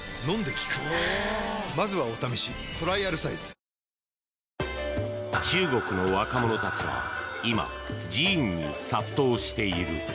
東京海上日動中国の若者たちは今寺院に殺到している。